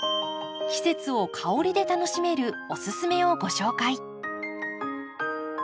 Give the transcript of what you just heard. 季節を香りで楽しめるおすすめをご紹介。